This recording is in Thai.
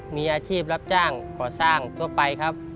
มีอาชีพรับจ้างก่อสร้างทั่วไปครับ